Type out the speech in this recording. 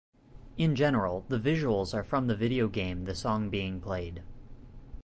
In general, the visuals are from the video game the song being played.